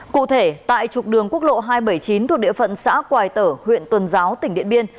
cụ thể tại trục đường quốc lộ hai trăm bảy mươi chín thuộc địa phận xã quài tở huyện tuần giáo tỉnh điện biên